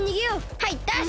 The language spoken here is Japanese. はいダッシュ！